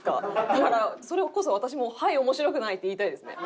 だからそれこそ私も「はい面白くない」って言いたいですね。